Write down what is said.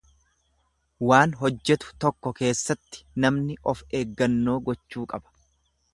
Waan hojjetu tokko keessatti namni of eeggannoo gochuu qaba.